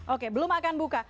oke belum akan buka